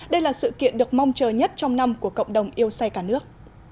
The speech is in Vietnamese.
đây là sự kiện được mong chờ nhất trong năm của cộng đồng yêu xe cả nước